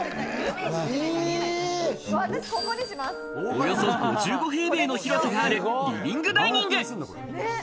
およそ５５平米の広さがあるリビングダイニング。